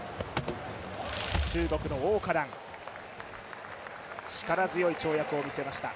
中国の王嘉男、力強い跳躍を見せました。